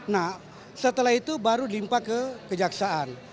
nah setelah itu baru dilimpah ke kejaksaan